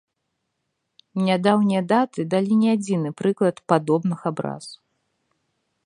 Нядаўнія даты далі не адзіны прыклад падобных абраз.